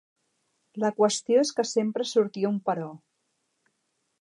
La qüestió és que sempre sortia un però.